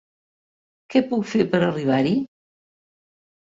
Què puc fer per arribar-hi?